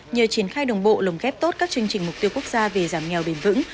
nhờ triển khai đồng bộ lồng ghép tốt các chương trình mục tiêu quốc gia về giảm nghèo bền vững